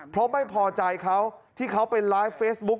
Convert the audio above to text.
เพราะไม่พอใจเขาที่เขาไปไลฟ์เฟซบุ๊ค